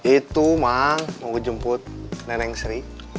itu mang mau gue jemput nenek sri